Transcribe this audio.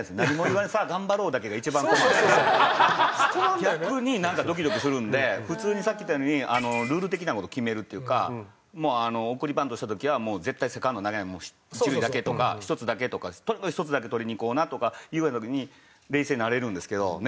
逆になんかドキドキするんで普通にさっき言ったようにルール的な事決めるっていうかもうあの送りバントした時は絶対セカンド投げない一塁だけとか１つだけとかとにかく１つだけとりにいこうなとか言われた時に冷静になれるんですけどね。